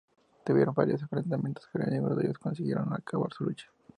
Tuvieron varios enfrentamientos, pero en ninguno de ellos consiguieron acabar su lucha.